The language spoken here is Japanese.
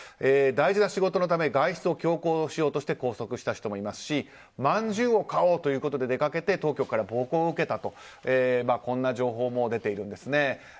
大事な仕事のため外出を強行しようとして拘束された人もいますしまんじゅうを買おうと出かけて当局から暴行を受けたという情報も出ているんですね。